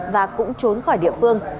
và cũng trốn khỏi địa phương